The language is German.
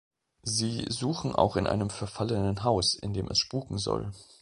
Sie suchen auch in einem verfallenen Haus, in dem es spuken soll.